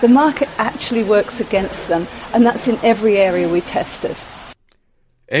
pemerintah sebenarnya bekerja dengan mereka dan itu di setiap area yang kita ujukan